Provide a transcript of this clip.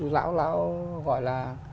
lão gọi là